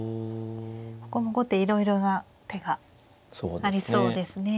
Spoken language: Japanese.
ここも後手いろいろな手がありそうですね。